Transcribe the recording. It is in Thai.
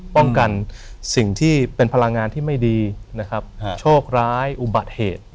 ป้องกันสิ่งที่เป็นพลังงานที่ไม่ดีนะครับโชคร้ายอุบัติเหตุ